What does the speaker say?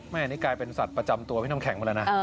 อันนี้กลายเป็นสัตว์ประจำตัวพี่น้ำแข็งไปแล้วนะ